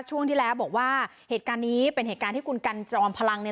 ช่วงที่แล้วบอกว่าเหตุการณ์นี้เป็นเหตุการณ์ที่คุณกันจอมพลังเนี่ย